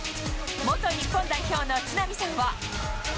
元日本代表の都並さんは。